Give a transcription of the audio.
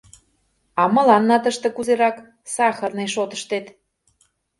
А мыланна тыште кузерак, Сахарный шотыштет?